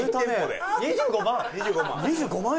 ２５万？